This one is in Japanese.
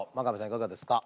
いかがですか？